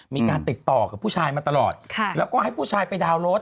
มีการติดต่อกับผู้ชายมาตลอดแล้วก็ให้ผู้ชายไปดาวน์รถ